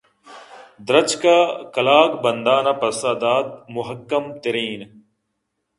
درٛچک ءَ کلاگ بندان ءَ پسّہ دات مُحکم تِریں